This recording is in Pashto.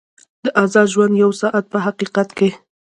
د ازاد ژوند یو ساعت په حقیقت کې.